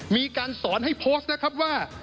มีการสอนให้โพสต์นะครับว่า